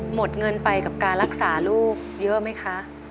หมดเงินไปกับการรักษาลูกเยอะไหมคะ